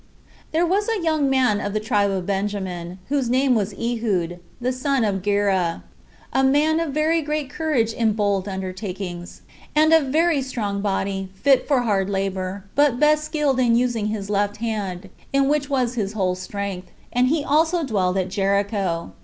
There was a young man of the tribe of Benjamin, whose name was Ehud, the son of Gera, a man of very great courage in bold undertakings, and of a very strong body, fit for hard labor, but best skilled in using his left hand, in which was his whole strength; and he also dwelt at Jericho.